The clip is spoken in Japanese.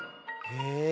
へえ。